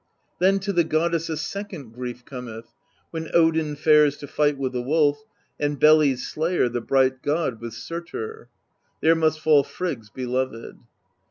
Then to the Goddess a second grief cometh, When Odin fares to fight with the Wolf, And Beli's slayer, the bright god, with Surtr; There must fall Frigg's beloved.